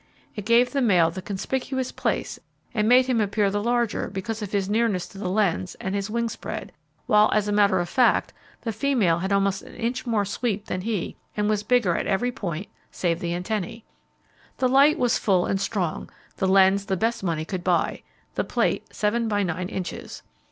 It gave the male the conspicuous place and made him appear the larger because of his nearness to the lens and his wing spread; while as a matter of fact, the female had almost an inch more sweep than he, and was bigger at every point save the antennae. The light was full and strong, the lens the best money could buy, the plate seven by nine inches.